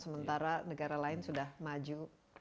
sementara negara lain sudah maju